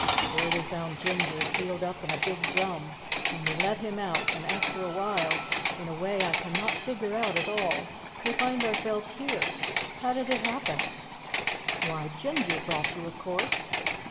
There we found Ginger sealed up in a big drum and we let him out, and after awhile, in a way I cannot figure out at all, we find ourselves here. How did it happen?" "Why, Ginger brought you, of course."